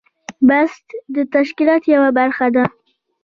بست د تشکیل یوه برخه ده.